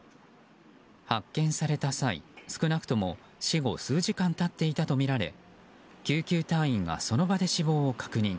発見された際、少なくとも死後数時間経っていたとみられ救急隊員がその場で死亡を確認。